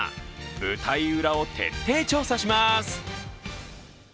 舞台裏を徹底調査します。